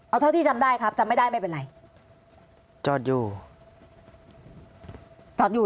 เอาเท่าที่จำได้ครับจำไม่ได้ไม่เป็นไรจอดอยู่จอดอยู่